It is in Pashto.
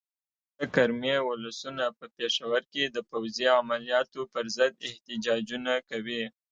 د کرمې ولسونه په پېښور کې د فوځي عملیاتو پر ضد احتجاجونه کوي.